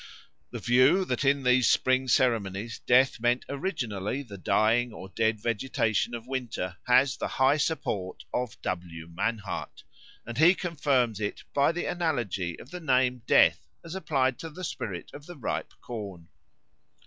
The view that in these spring ceremonies Death meant originally the dying or dead vegetation of winter has the high support of W. Mannhardt; and he confirms it by the analogy of the name Death as applied to the spirit of the ripe corn.